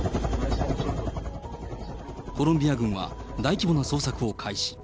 コロンビア軍は大規模な捜索を開始。